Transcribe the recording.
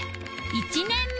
１年目。